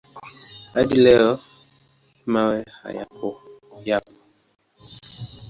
Hadi leo hii mawe hayo yapo.